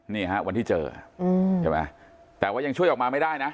นี่วันที่เจอแต่ว่ายังช่วยออกมาไม่ได้นะ